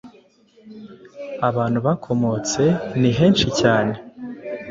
abantu bakomotse ni henshi cyane